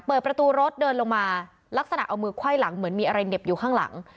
เปิดประตูรถเดินลงมาลักษณะเอามือไขว้หลังเหมือนมีอะไรเหน็บอยู่ข้างหลัง